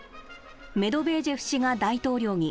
メドベージェフ氏が大統領に。